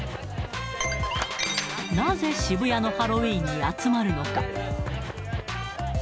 なぜ渋谷のハロウィーンに集まるのか。